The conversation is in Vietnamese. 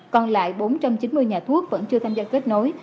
còn lại bốn trăm chín mươi nhà thuốc vẫn chưa tham gia kết nối